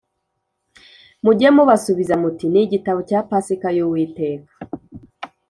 Mujye mubasubiza muti ‘Ni igitambo cya Pasika y’Uwiteka